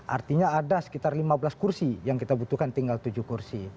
artinya ada sekitar lima belas kursi yang kita butuhkan tinggal tujuh kursi